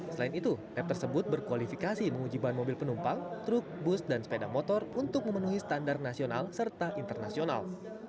selain itu lab tersebut berkualifikasi menguji bahan mobil penumpang truk bus dan sepeda motor untuk memenuhi standar nasional serta internasional